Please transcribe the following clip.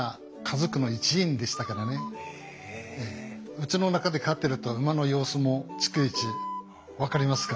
うちの中で飼ってると馬の様子も逐一分かりますからね。